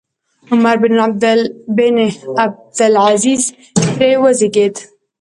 عمر بن عبدالعزیز ترې وزېږېد.